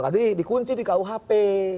jadi dikunci di kuhp